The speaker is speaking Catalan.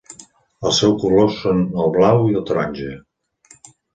Els seus colors són el blau i el taronja.